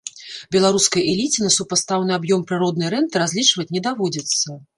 Беларускай эліце на супастаўны аб'ём прыроднай рэнты разлічваць не даводзіцца.